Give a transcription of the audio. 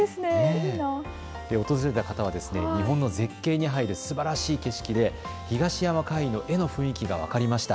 訪れた方は日本の絶景に入るすばらしい景色で東山魁夷が絵の雰囲気が分かりました。